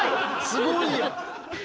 すごいやん。